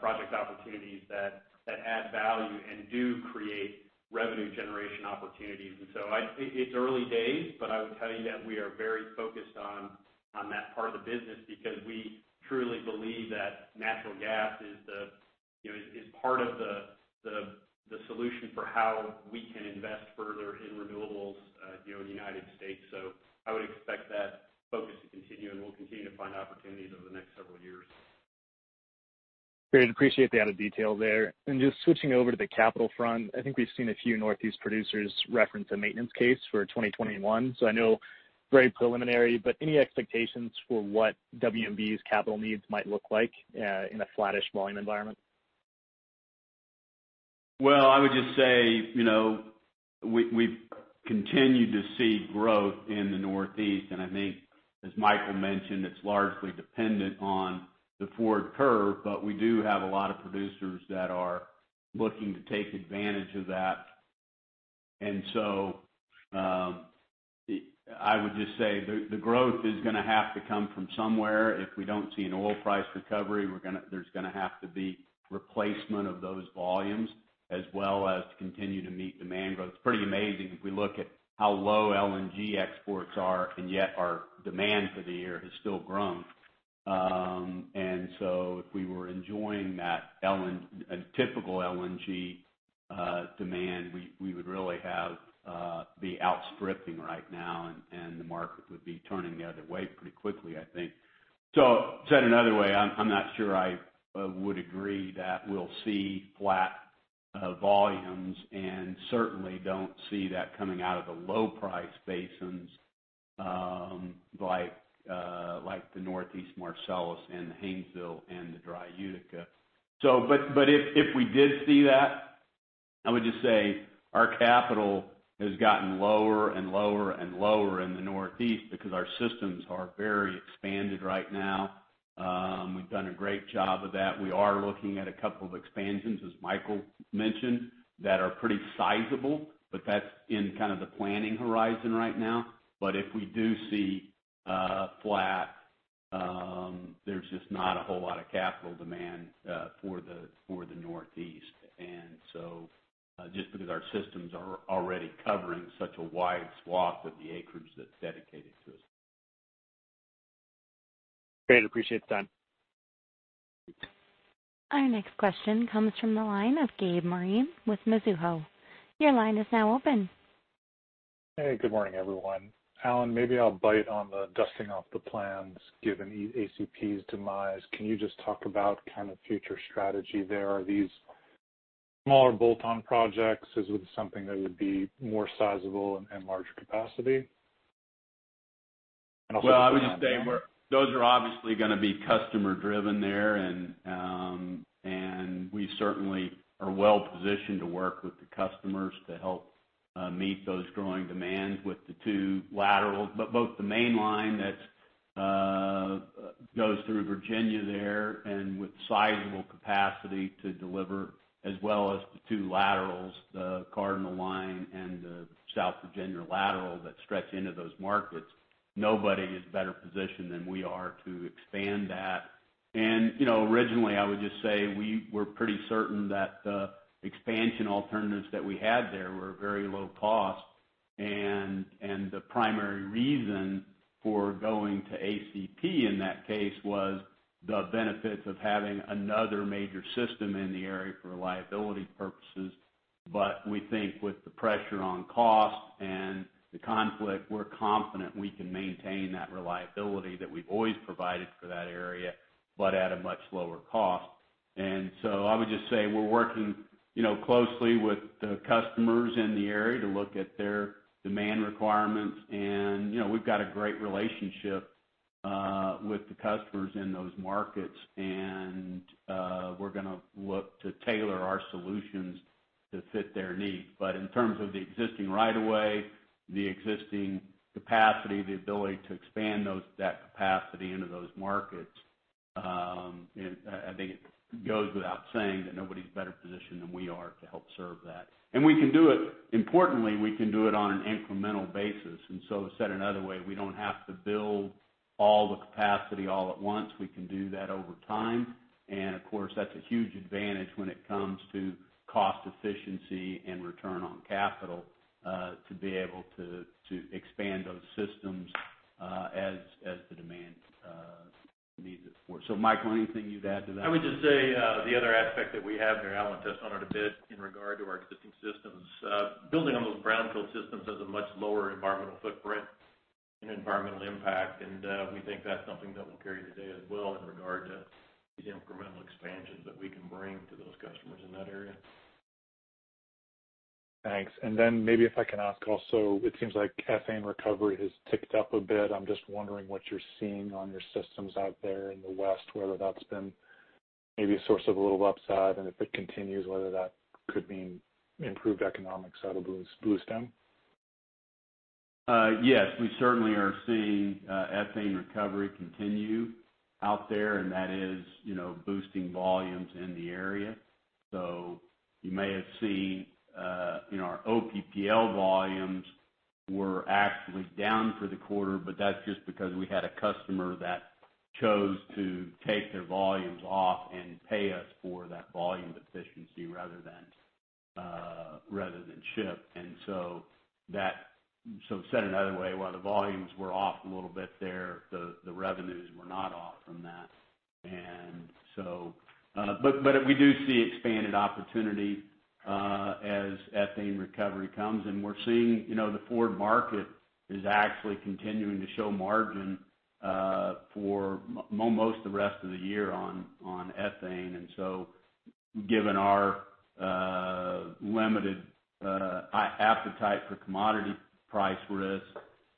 project opportunities that add value and do create revenue generation opportunities. It's early days, but I would tell you that we are very focused on that part of the business because we truly believe that natural gas is part of the solution for how we can invest further in renewables here in the United States. I would expect that focus to continue, and we'll continue to find opportunities over the next several years. Great. Appreciate the added detail there. Just switching over to the capital front, I think we've seen a few Northeast producers reference a maintenance case for 2021. I know very preliminary, but any expectations for what WMB's capital needs might look like in a flattish volume environment? I would just say, we've continued to see growth in the Northeast, and I think as Micheal mentioned, it's largely dependent on the forward curve, but we do have a lot of producers that are looking to take advantage of that. I would just say the growth is going to have to come from somewhere. If we don't see an oil price recovery, there's going to have to be replacement of those volumes as well as to continue to meet demand growth. It's pretty amazing if we look at how low LNG exports are, and yet our demand for the year has still grown. If we were enjoying that typical LNG demand, we would really be outstripping right now, and the market would be turning the other way pretty quickly, I think. Said another way, I'm not sure I would agree that we'll see flat volumes, and certainly don't see that coming out of the low-price basins like the Northeast Marcellus and the Haynesville and the Dry Utica. If we did see that, I would just say our capital has gotten lower and lower in the Northeast because our systems are very expanded right now. We've done a great job of that. We are looking at a couple of expansions, as Micheal mentioned, that are pretty sizable, but that's in kind of the planning horizon right now. If we do see flat, there's just not a whole lot of capital demand for the Northeast, just because our systems are already covering such a wide swath of the acreage that's dedicated to us. Great. Appreciate the time. Our next question comes from the line of Gabe Moreen with Mizuho. Your line is now open. Hey, good morning, everyone. Alan, maybe I'll bite on the dusting off the plans given ACP's demise. Can you just talk about kind of future strategy there? Are these smaller bolt-on projects? Is it something that would be more sizable and larger capacity? Well, I would just say those are obviously going to be customer-driven there. We certainly are well-positioned to work with the customers to help meet those growing demands with the two laterals. Both the mainline that goes through Virginia there and with sizable capacity to deliver as well as the two laterals, the Cardinal Pipeline and the South Virginia Lateral that stretch into those markets. Nobody is better positioned than we are to expand that. Originally, I would just say we were pretty certain that the expansion alternatives that we had there were very low cost, and the primary reason for going to ACP in that case was the benefits of having another major system in the area for reliability purposes. We think with the pressure on cost and the conflict, we're confident we can maintain that reliability that we've always provided for that area, but at a much lower cost. I would just say we're working closely with the customers in the area to look at their demand requirements. We've got a great relationship with the customers in those markets, and we're going to look to tailor our solutions to fit their needs. In terms of the existing right of way, the existing capacity, the ability to expand that capacity into those markets, I think it goes without saying that nobody's better positioned than we are to help serve that. We can do it, importantly, we can do it on an incremental basis. To say it another way, we don't have to build all the capacity all at once. We can do that over time. Of course, that's a huge advantage when it comes to cost efficiency and return on capital, to be able to expand those systems as the demand needs it for. Michael, anything you'd add to that? I would just say that the other aspect that we have there, Alan touched on it a bit, in regard to our existing systems. Building on those brownfield systems has a much lower environmental footprint and environmental impact. We think that's something that will carry the day as well in regard to the incremental expansions that we can bring to those customers in that area. Thanks. Then maybe if I can ask also, it seems like ethane recovery has ticked up a bit. I'm just wondering what you're seeing on your systems out there in the West, whether that's been maybe a source of a little upside, and if it continues, whether that could mean improved economics that'll boost them. Yes, we certainly are seeing ethane recovery continue out there, and that is boosting volumes in the area. You may have seen our OPPL volumes were actually down for the quarter, but that's just because we had a customer that chose to take their volumes off and pay us for that volume deficiency rather than ship. Said another way, while the volumes were off a little bit there, the revenues were not off from that. We do see expanded opportunity as ethane recovery comes. We're seeing the forward market is actually continuing to show margin for almost the rest of the year on ethane. Given our limited appetite for commodity price risk,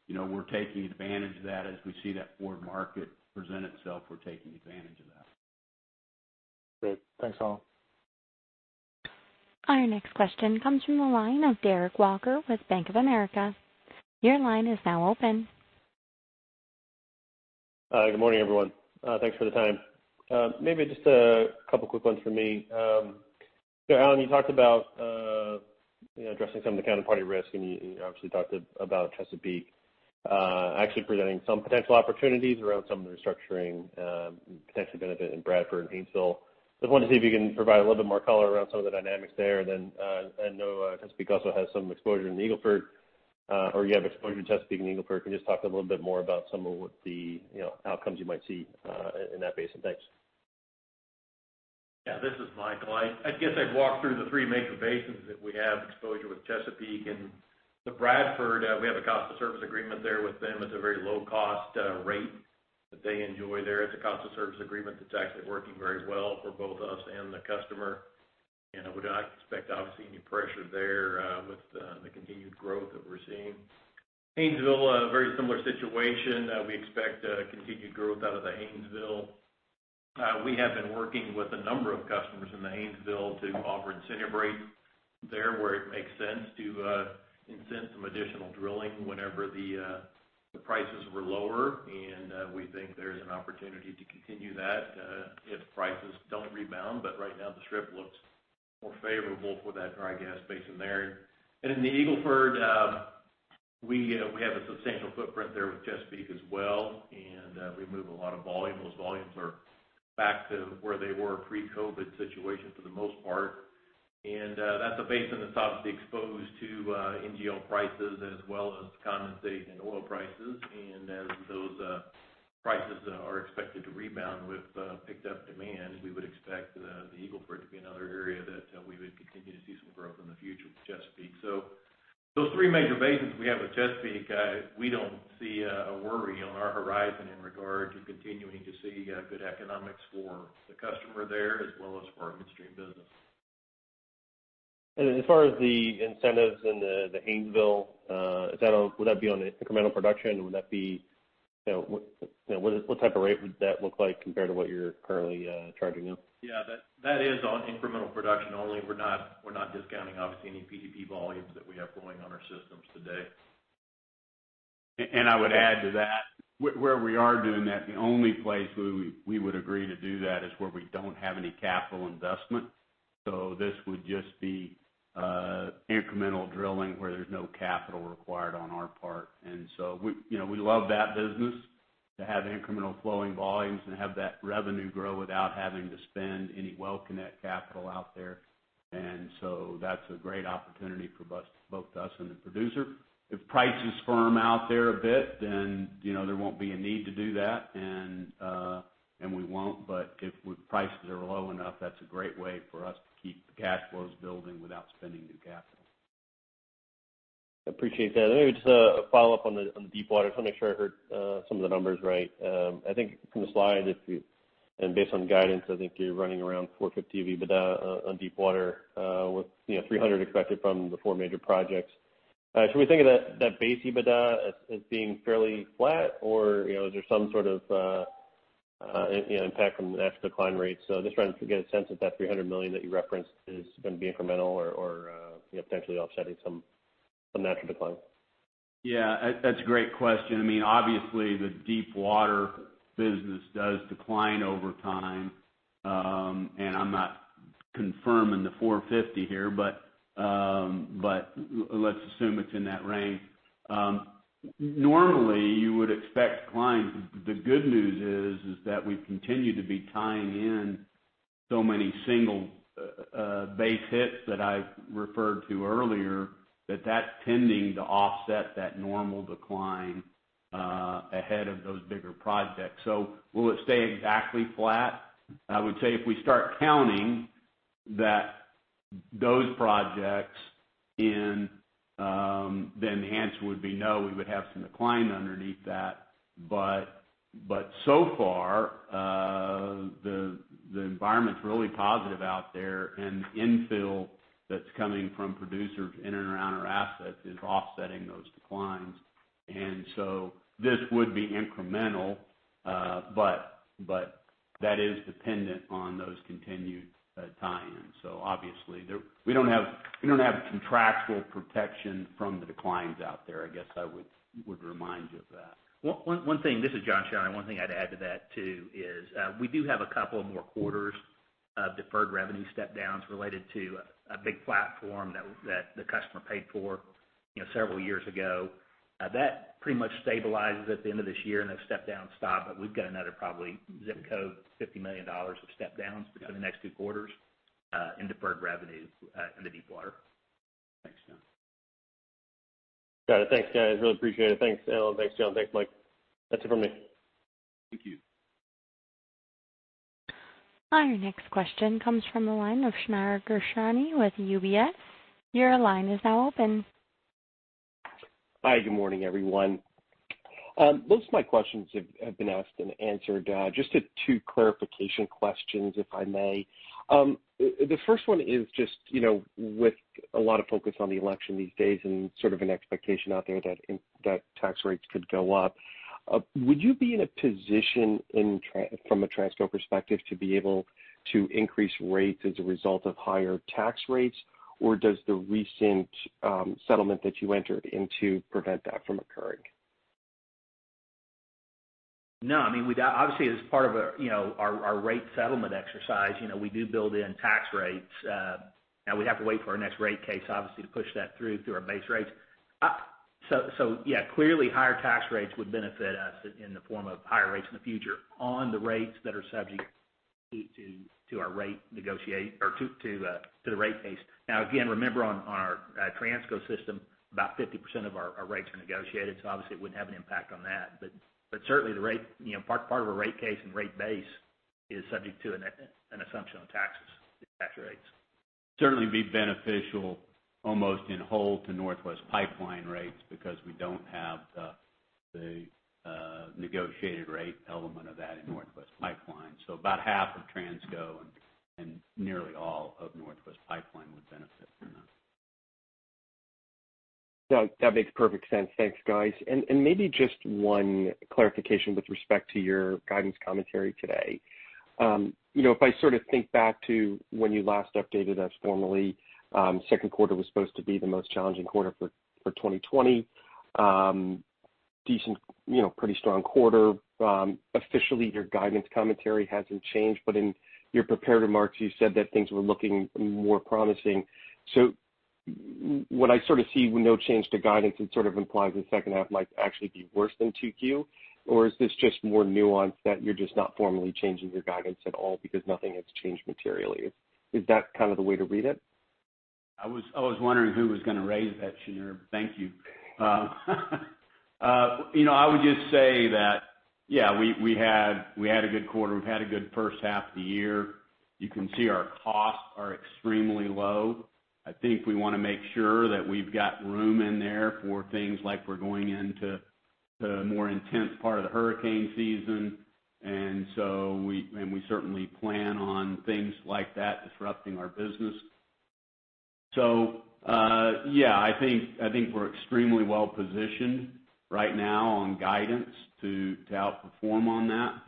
we're taking advantage of that. As we see that forward market present itself, we're taking advantage of that. Great. Thanks, Alan. Our next question comes from the line of Derek Walker with Bank of America. Your line is now open. Hi, good morning, everyone. Thanks for the time. Maybe just a couple quick ones from me. Alan, you talked about addressing some of the counterparty risk, and you obviously talked about Chesapeake actually presenting some potential opportunities around some of the restructuring, potential benefit in Bradford and Haynesville. Just wanted to see if you can provide a little bit more color around some of the dynamics there. I know Chesapeake also has some exposure in the Eagle Ford, or you have exposure to Chesapeake and Eagle Ford. Can you just talk a little bit more about some of what the outcomes you might see in that basin? Thanks. Yeah, this is Micheal. I guess I'd walk through the three major basins that we have exposure with Chesapeake. In the Bradford, we have a cost of service agreement there with them. It's a very low-cost rate that they enjoy there. It's a cost of service agreement that's actually working very well for both us and the customer. We do not expect, obviously, any pressure there with the continued growth that we're seeing. Haynesville, a very similar situation. We expect continued growth out of the Haynesville. We have been working with a number of customers in the Haynesville to offer incentive rates there where it makes sense to incent some additional drilling whenever the prices were lower. We think there's an opportunity to continue that if prices don't rebound. Right now, the strip looks more favorable for that dry gas basin there. In the Eagle Ford, we have a substantial footprint there with Chesapeake as well. We move a lot of volume. Those volumes are back to where they were pre-COVID situation for the most part. That's a basin that's obviously exposed to NGL prices as well as condensate and oil prices. As those prices are expected to rebound with picked up demand, we would expect the Eagle Ford to be another area that we would continue to see some growth in the future with Chesapeake. Those three major basins we have with Chesapeake, we don't see a worry on our horizon in regard to continuing to see good economics for the customer there as well as for our midstream business. As far as the incentives in the Haynesville, would that be on incremental production? What type of rate would that look like compared to what you're currently charging them? Yeah, that is on incremental production only. We're not discounting, obviously, any PDP volumes that we have flowing on our systems today. I would add to that, where we are doing that, the only place we would agree to do that is where we don't have any capital investment. This would just be incremental drilling where there's no capital required on our part. We love that business, to have incremental flowing volumes and have that revenue grow without having to spend any well connect capital out there. That's a great opportunity for both us and the producer. If prices firm out there a bit, then there won't be a need to do that. We won't, but if prices are low enough, that's a great way for us to keep the cash flows building without spending new capital. Appreciate that. Just a follow-up on the Deepwater. I just want to make sure I heard some of the numbers right. From the slide, and based on guidance, you are running around $450 million of EBITDA on Deepwater with $300 million expected from the four major projects. Should we think of that base EBITDA as being fairly flat, or is there some sort of impact from the natural decline rates? I am just trying to get a sense if that $300 million that you referenced is going to be incremental or potentially offsetting some natural decline. Yeah, that's a great question. Obviously, the deep water business does decline over time. I'm not confirming the 450 here, but let's assume it's in that range. Normally, you would expect decline. The good news is that we continue to be tying in so many single base hits that I referred to earlier, that that's tending to offset that normal decline ahead of those bigger projects. Will it stay exactly flat? I would say if we start counting those projects in, then the answer would be no. We would have some decline underneath that. So far, the environment's really positive out there, and infill that's coming from producers in and around our assets is offsetting those declines. This would be incremental, but that is dependent on those continued tie-ins. Obviously, we don't have contractual protection from the declines out there, I guess I would remind you of that. This is John Chandler. One thing I'd add to that too is, we do have a couple of more quarters of deferred revenue step-downs related to a big platform that the customer paid for several years ago. That pretty much stabilizes at the end of this year, and those step-downs stop. We've got another probably zip code, $50 million of step-downs for the next two quarters in deferred revenue in the Deep Water. Thanks, John. Got it. Thanks, guys. Really appreciate it. Thanks, Alan. Thanks, John. Thanks, Mike. That's it for me. Thank you. Our next question comes from the line of Shneur Gershuni with UBS. Your line is now open. Hi, good morning, everyone. Most of my questions have been asked and answered. Just two clarification questions, if I may. The first one is just, with a lot of focus on the election these days and sort of an expectation out there that tax rates could go up, would you be in a position from a Transco perspective to be able to increase rates as a result of higher tax rates? Does the recent settlement that you entered into prevent that from occurring? No. Obviously, as part of our rate settlement exercise, we do build in tax rates. We have to wait for our next rate case, obviously, to push that through our base rates. Yeah, clearly higher tax rates would benefit us in the form of higher rates in the future on the rates that are subject to the rate base. Again, remember on our Transco system, about 50% of our rates are negotiated, so obviously it wouldn't have an impact on that. Certainly, part of a rate case and rate base is subject to an assumption on taxes and tax rates. Certainly, be beneficial almost in whole to Northwest Pipeline rates because we don't have the negotiated rate element of that in Northwest Pipeline. About half of Transco and nearly all of Northwest Pipeline would benefit from that. That makes perfect sense. Thanks, guys. Maybe just one clarification with respect to your guidance commentary today. If I sort of think back to when you last updated us formally, second quarter was supposed to be the most challenging quarter for 2020. Decent, pretty strong quarter. Officially, your guidance commentary hasn't changed, but in your prepared remarks, you said that things were looking more promising. What I sort of see with no change to guidance, it sort of implies the second half might actually be worse than 2Q, or is this just more nuance that you're just not formally changing your guidance at all because nothing has changed materially? Is that kind of the way to read it? I was wondering who was going to raise that, Shneur. Thank you. I would just say that, yeah, we had a good quarter. We've had a good first half of the year. You can see our costs are extremely low. I think we want to make sure that we've got room in there for things like we're going into the more intense part of the hurricane season. We certainly plan on things like that disrupting our business. Yeah. I think we're extremely well-positioned right now on guidance to outperform on that.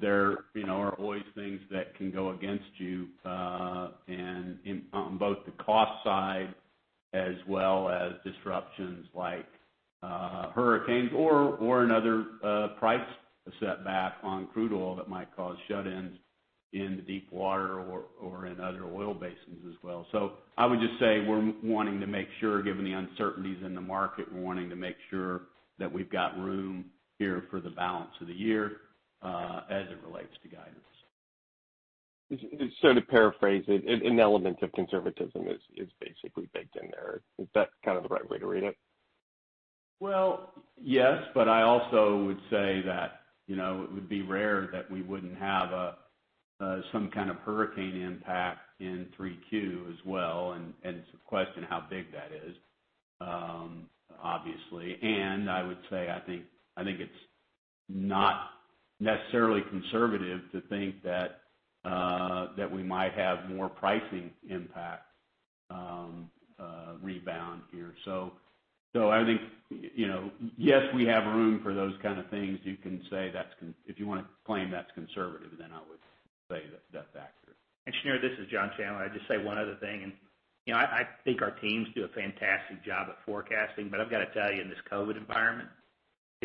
There are always things that can go against you, on both the cost side as well as disruptions like hurricanes or another price setback on crude oil that might cause shut-ins in the Deep Water or in other oil basins as well. I would just say we're wanting to make sure, given the uncertainties in the market, we're wanting to make sure that we've got room here for the balance of the year as it relates to guidance. To paraphrase, an element of conservatism is basically baked in there. Is that kind of the right way to read it? Well, yes, but I also would say that it would be rare that we wouldn't have some kind of hurricane impact in 3Q as well, and it's a question how big that is, obviously. I would say, I think it's not necessarily conservative to think that we might have more pricing impact rebound here. I think, yes, we have room for those kinds of things. If you want to claim that's conservative, then I would say that's accurate. Shneur, this is John Chandler. I'd just say one other thing, and I think our teams do a fantastic job at forecasting, but I've got to tell you, in this COVID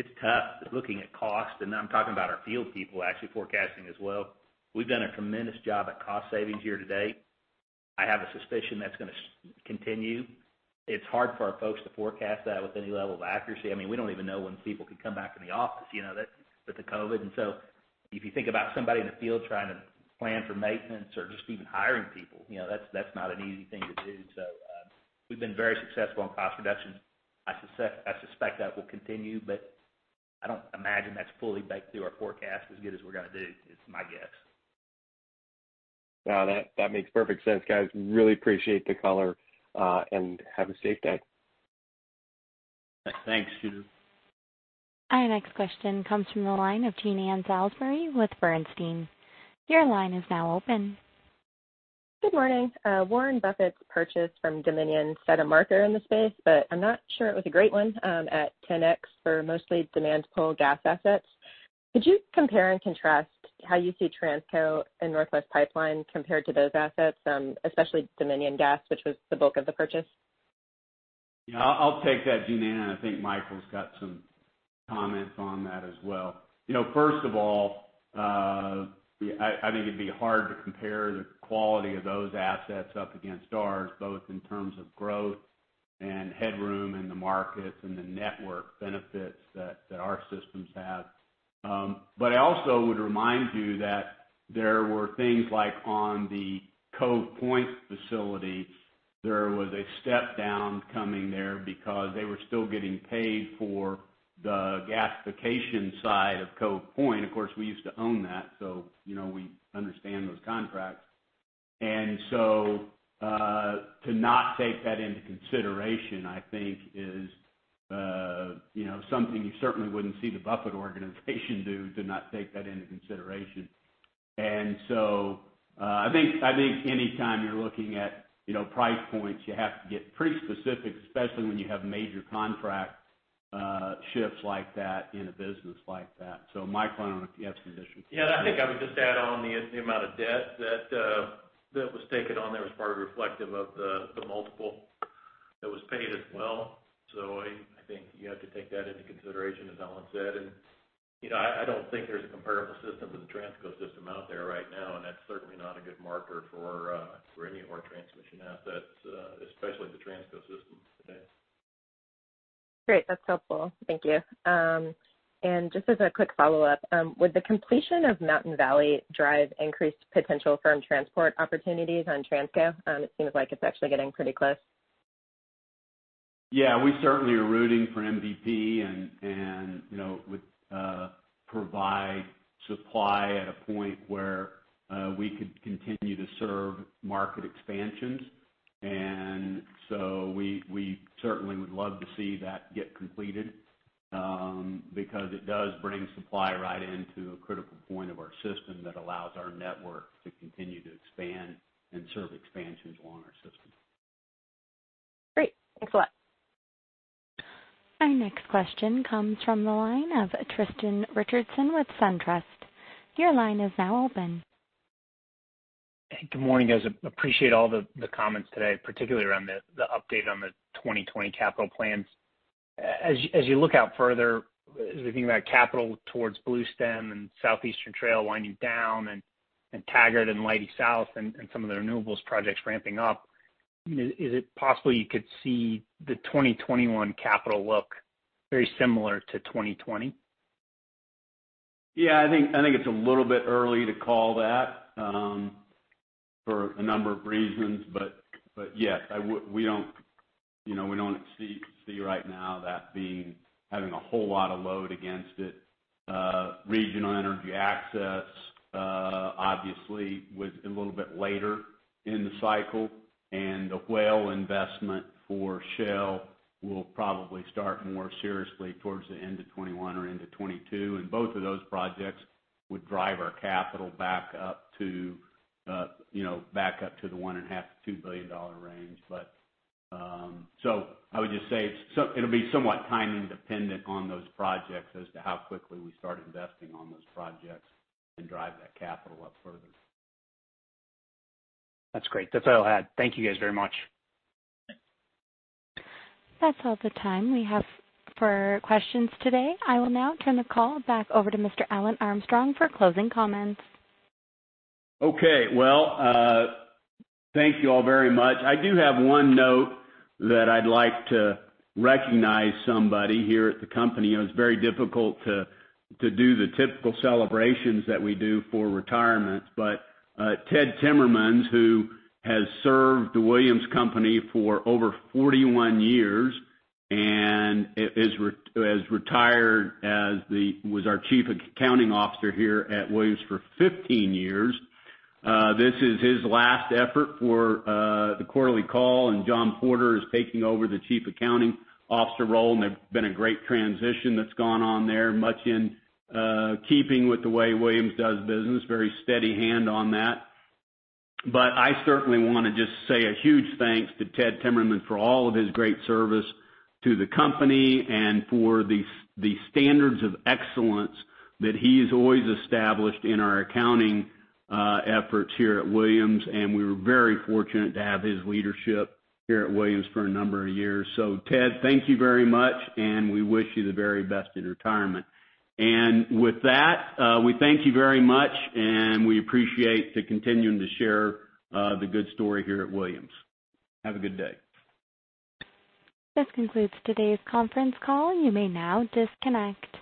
environment, it's tough. Looking at cost, and I'm talking about our field people actually forecasting as well. We've done a tremendous job at cost savings here to date. I have a suspicion that's going to continue. It's hard for our folks to forecast that with any level of accuracy. We don't even know when people can come back in the office with the COVID. If you think about somebody in the field trying to plan for maintenance or just even hiring people, that's not an easy thing to do. We've been very successful in cost reduction. I suspect that will continue, but I don't imagine that's fully baked through our forecast as good as we're going to do, is my guess. Yeah, that makes perfect sense, guys. Really appreciate the color and have a safe day. Thanks, Shooter. Our next question comes from the line of Jean Ann Salisbury with Bernstein. Your line is now open. Good morning. Warren Buffett's purchase from Dominion set a marker in the space. I'm not sure it was a great one at 10x for mostly demand pool gas assets. Could you compare and contrast how you see Transco and Northwest Pipeline compared to those assets? Especially Dominion Gas, which was the bulk of the purchase. Yeah, I'll take that, Jean Ann. I think Micheal's got some comments on that as well. First of all, I think it'd be hard to compare the quality of those assets up against ours, both in terms of growth and headroom in the markets, and the network benefits that our systems have. I also would remind you that there were things like on the Cove Point facility, there was a step down coming there because they were still getting paid for the gasification side of Cove Point. Of course, we used to own that. We understand those contracts. To not take that into consideration, I think is something you certainly wouldn't see the Buffett organization do, to not take that into consideration. I think any time you're looking at price points, you have to get pretty specific, especially when you have major contract shifts like that in a business like that. Micheal, I don't know if you have some additional? Yeah, I think I would just add on the amount of debt that was taken on there as part reflective of the multiple that was paid as well. I think you have to take that into consideration, as Alan said. I don't think there's a comparable system to the Transco system out there right now, and that's certainly not a good marker for any of our transmission assets, especially the Transco system today. Great. That's helpful. Thank you. Just as a quick follow-up, would the completion of Mountain Valley drive increase potential firm transport opportunities on Transco? It seems like it's actually getting pretty close. Yeah, we certainly are rooting for MVP. It would provide supply at a point where we could continue to serve market expansions. We certainly would love to see that get completed, because it does bring supply right into a critical point of our system that allows our network to continue to expand and serve expansions along our system. Great. Thanks a lot. Our next question comes from the line of Tristan Richardson with SunTrust. Your line is now open. Hey, good morning, guys. Appreciate all the comments today, particularly around the update on the 2020 capital plans. As you look out further, as we think about capital towards Bluestem and Southeastern Trail winding down, and Taggart and Leidy South and some of the renewable's projects ramping up, is it possible you could see the 2021 capital look very similar to 2020? I think it's a little bit early to call that, for a number of reasons. We don't see right now that having a whole lot of load against it. Regional Energy Access, obviously was a little bit later in the cycle, and the Whale investment for Shell will probably start more seriously towards the end of 2021 or into 2022. Both of those projects would drive our capital back up to the $1.5 billion-$2 billion range. I would just say, it'll be somewhat timing dependent on those projects as to how quickly we start investing on those projects and drive that capital up further. That's great. That's all I had. Thank you guys very much. That's all the time we have for questions today. I will now turn the call back over to Mr. Alan Armstrong for closing comments. Okay. Well, thank you all very much. I do have one note that I'd like to recognize somebody here at the company. It was very difficult to do the typical celebrations that we do for retirement. Ted Timmermans, who has served the Williams company for over 41 years and has retired was our Chief Accounting Officer here at Williams for 15 years. This is his last effort for the quarterly call, and John Porter is taking over the Chief Accounting Officer role, and there's been a great transition that's gone on there, much in keeping with the way Williams does business. Very steady hand on that. I certainly want to just say a huge thanks to Ted Timmermans for all of his great service to the company and for the standards of excellence that he has always established in our accounting efforts here at Williams. We were very fortunate to have his leadership here at Williams for a number of years. Ted, thank you very much, and we wish you the very best in retirement. With that, we thank you very much, and we appreciate the continuing to share the good story here at Williams. Have a good day. This concludes today's conference call. You may now disconnect.